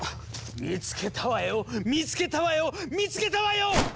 見つけたわよ見つけたわよ見つけたわよ！